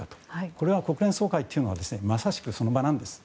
これは国連総会というのはまさしく、その場なんです。